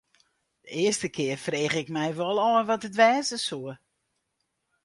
De earste kear frege ik my wol ôf wat it wêze soe.